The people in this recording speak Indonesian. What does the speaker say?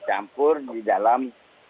campur di dalam